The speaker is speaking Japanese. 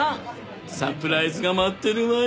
サプライズが待ってるわよ！